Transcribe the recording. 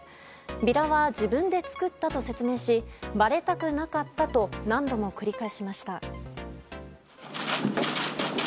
ビラは自分で作ったと説明しばれたくなかったと何度も繰り返しました。